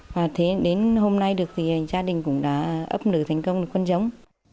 và đến hôm nay được thì gia đình cũng đã ấp nửa thành công được con giống